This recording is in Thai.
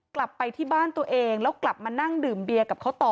กลับไปที่บ้านตัวเองแล้วกลับมานั่งดื่มเบียร์กับเขาต่อ